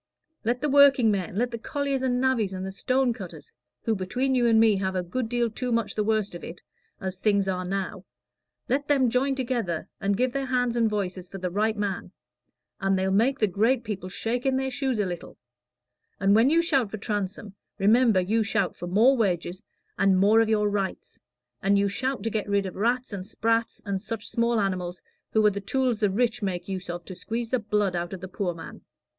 Let the workingmen let the colliers and navvies and stone cutters, who between you and me have a good deal too much the worst of it, as things are now let them join together and give their hands and voices for the right man, and they'll make the great people shake in their shoes a little; and when you shout for Transome, remember you shout for more wages, and more of your rights, and you shout to get rid of rats and sprats and such small animals, who are the tools the rich make use of to squeeze the blood out of the poor man."